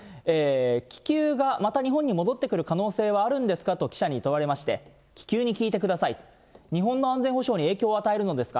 気球がまた日本に戻ってくる可能性はあるんですかと記者に問われまして、気球に聞いてくださいと、日本の安全保障に影響を与えるのですか？